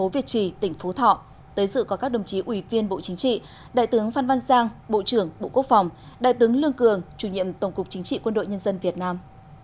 việt trì tỉnh phú thọ tới dự có các đồng chí ủy viên bộ chính trị đại tướng phan văn giang bộ trưởng bộ quốc phòng đại tướng lương cường chủ nhiệm tổng cục chính trị quân đội nhân dân việt nam